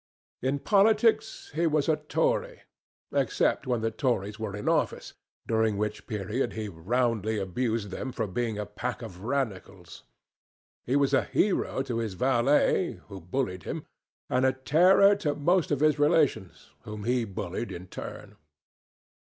In politics he was a Tory, except when the Tories were in office, during which period he roundly abused them for being a pack of Radicals. He was a hero to his valet, who bullied him, and a terror to most of his relations, whom he bullied in turn.